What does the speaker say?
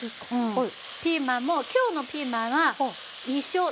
はい。